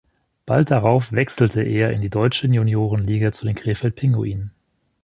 Bald darauf wechselte er in die deutsche Juniorenliga zu den Krefeld Pinguinen.